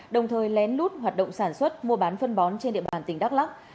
đồng thời lén lút hoạt động sản xuất mua bán phân bón trên địa bàn tỉnh đắk lắc